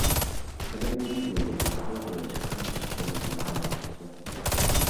Але мы не будзем адказваць хамствам на хамства.